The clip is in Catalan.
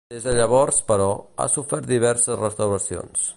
Des de llavors, però, ha sofert diverses restauracions.